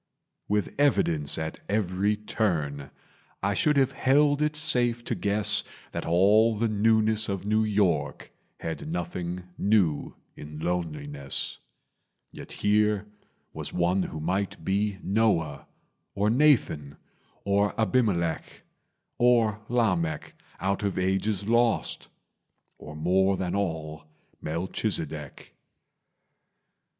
With evidence at every turn, I should have held it safe to guess That all the newness of New York Had nothing new in loneliness; Yet here was one who might be Noah, Or Nathan, or Abimelech, Or Lamech, out of ages lost, Or, more than all, Melchizedek.